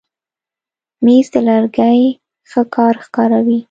مېز د لرګي ښه کار ښکاروي.